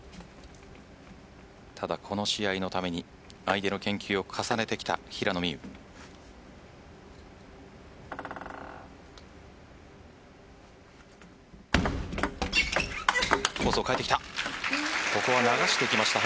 ただ、この試合のために相手の研究を重ねてきた平野美宇。コースを変えてきた。